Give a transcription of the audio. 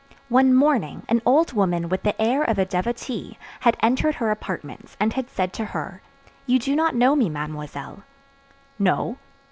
One morning an old woman with the air of a devotee, had entered her apartments, and had said to her, "You do not know me, Mamemoiselle?" "No."